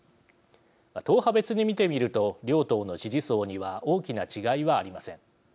党派別に見てみると両党の支持層には大きな違いはありません。